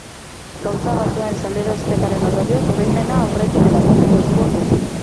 Gauza batzuen salerosketaren ondorioz, oroimena aurretik eta atzetik egingo du.